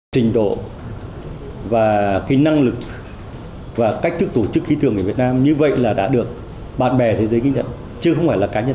trình độ và năng lực và cách tự tổ chức khí tượng việt nam như vậy đã được bạn bè thế giới kinh tế chứ không phải là cá nhân